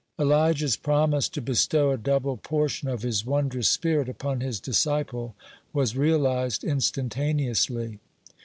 (2) Elijah's promise to bestow a double portion of his wondrous spirit upon his disciple was realized instantaneously.